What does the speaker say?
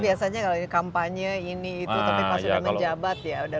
itu biasanya kalau kampanye ini itu tapi pas udah menjabat ya udah lupa gitu